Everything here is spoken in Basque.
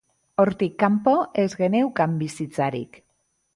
Hortik kanpo, ez geneukan bizitzarik.